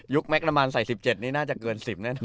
ยุคแม็กซ์มะนามานใส่๑๗นี่น่าจะเกิน๑๐แน่นอน